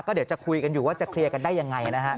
เดี๋ยวจะคุยกันอยู่ว่าจะเคลียร์กันได้ยังไงนะครับ